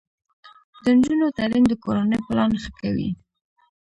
د نجونو تعلیم د کورنۍ پلان ښه کوي.